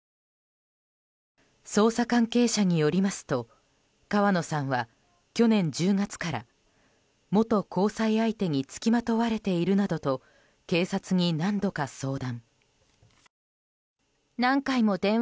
捜査関係者によりますと川野さんは去年１０月から元交際相手に付きまとわれているなどと警察に何度か相談。